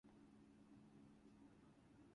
The reputational damage was real.